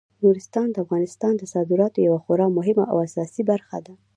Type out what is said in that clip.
نورستان د افغانستان د صادراتو یوه خورا مهمه او اساسي برخه ده.